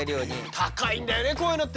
高いんだよねこういうのってね